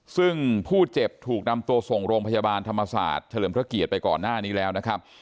ซึ่งผู้เจ็บถูกนำตัวส่งโรงพยาบาลธรรมศาสตร์เฉลิมพระเกียรติไปก่อนหน้านี้แล้วนะครับ